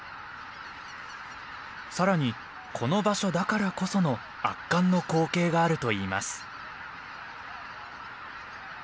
さらにこの場所だからこその圧巻の光景があるといいます。